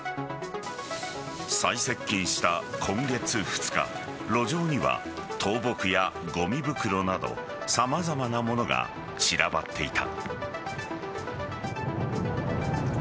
最接近した今月２日路上には倒木や、ごみ袋などさまざまなものが散らばっていた。